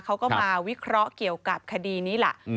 เขาก็มาวิเคราะห์เกี่ยวกับคดีนี้ล่ะ